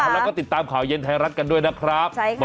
แล้วก็ติดตามข่าวเย็นไทยรัฐกันด้วยนะครับ